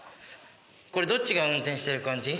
これどっちが運転してる感じ？